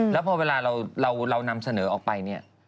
แล้วพอเวลาเรานำเสนอออกไปเนี่ย